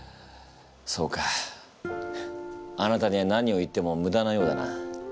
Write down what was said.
そうかあなたには何を言ってもむだなようだな。